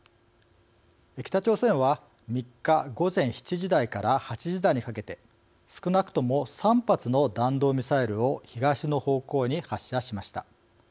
北朝鮮は３日午前７時台から８時台にかけて少なくとも３発の弾道ミサイルを東の方向に発射しました。